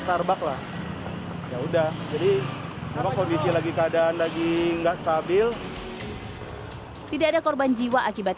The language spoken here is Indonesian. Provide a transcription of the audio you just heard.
terbaklah ya udah jadi kalau kondisi lagi keadaan lagi nggak stabil tidak ada korban jiwa akibat